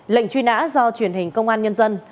lệnh truy nã do truyền hình công an nhân dân